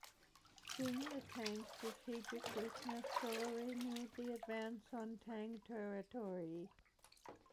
Seeing the Tang's strategic weakness, Silla renewed the advance on Tang territory.